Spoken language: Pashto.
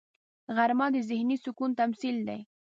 غرمه د ذهني سکون تمثیل دی